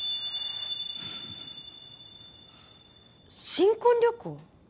新婚旅行？